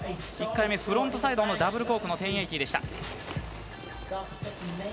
１回目、フロントサイドのダブルコークの１０８０でした。